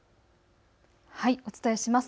お伝えします。